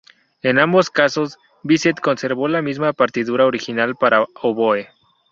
En ambos casos, Bizet conservó la misma partitura original para oboe.